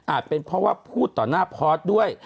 เป็นเพราะว่าพูดต่อหน้าพอร์ตด้วย